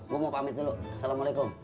gua mau pamit dulu assalamualaikum